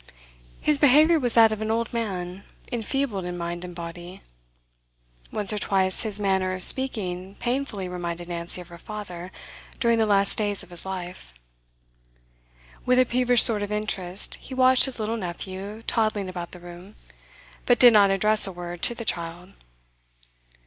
His behaviour was that of an old man, enfeebled in mind and body. Once or twice his manner of speaking painfully reminded Nancy of her father during the last days of his life. With a peevish sort of interest he watched his little nephew toddling about the room, but did not address a word to the child.